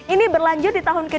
ini berlanjut di tahun ke tiga